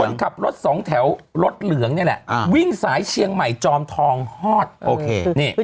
เมื่อก่อนเนี่ยวิทูณ